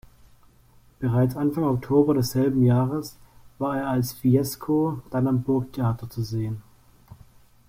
Bereits Anfang Oktober desselben Jahres war er als „Fiesco“ dann am Burgtheater zu sehen.